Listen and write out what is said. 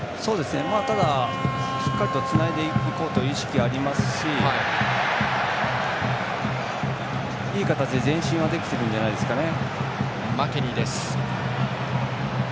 ただ、しっかりつないでいこうという意識はありますしいい形で前進はできているんじゃないですかね。